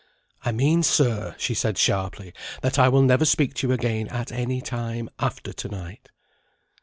"I mean, sir," she said, sharply, "that I will never speak to you again at any time, after to night."